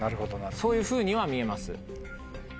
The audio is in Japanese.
そういうふうには見えます。